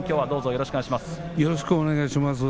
よろしくお願いします。